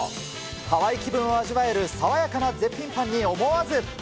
ハワイ気分を味わえる爽やかな絶品パンに思わず。